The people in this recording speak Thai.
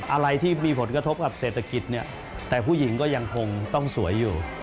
อะไรที่มีผลกระทบกับเศรษฐกิจเนี่ยแต่ผู้หญิงก็ยังคงต้องสวยอยู่